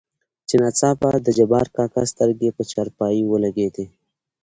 چې ناڅاپه دجبارکاکا سترګې په چارپايي ولګېدې.